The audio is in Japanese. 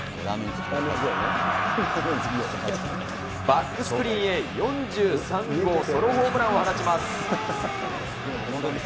バックスクリーンへ、４３号ソロホームランを放ちます。